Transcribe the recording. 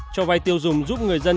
cho vay tiêu dùng giúp người dân